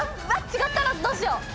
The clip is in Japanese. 違ったらどうしよう！